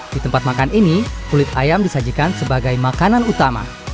di tempat makan ini kulit ayam disajikan sebagai makanan utama